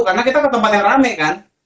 karena kita ke tempat yang rame kan